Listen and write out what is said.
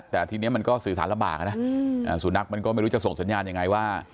แต่ทีนี้มันก็สื่อสารลำบากนะสุนัขมันก็ไม่รู้จะส่งสัญญาณยังไงว่า